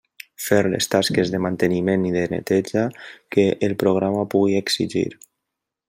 Fer les tasques de manteniment i de neteja, que el programa pugui exigir.